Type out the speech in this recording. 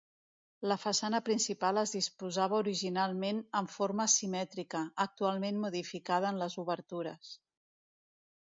La façana principal es disposava originalment en forma simètrica, actualment modificada en les obertures.